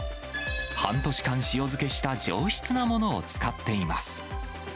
半年間塩漬けした上質なものを使っています。